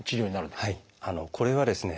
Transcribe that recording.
これはですね